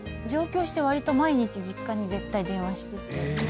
上京してわりと毎日実家に絶対電話してて。